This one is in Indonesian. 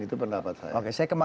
itu pendapat saya